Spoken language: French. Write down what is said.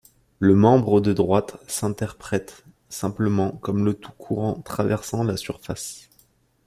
Le membre de droite s’interprète simplement comme le courant traversant la surface.